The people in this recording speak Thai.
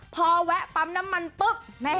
พอแวะปั๊มน้ำมันปุ๊บ